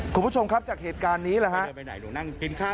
คุณผู้ชมครับจากเหตุการณ์นี้ล่ะฮะ